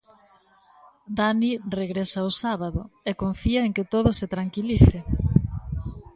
Dani regresa o sábado e confía en que todo se tranquilice.